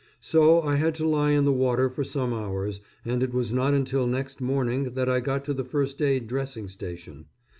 So I had to lie in the water for some hours, and it was not until next morning that I got to the first aid dressing station.